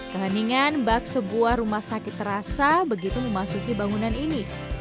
keheningan bak sebuah rumah sakit terasa begitu memasuki bangunan ini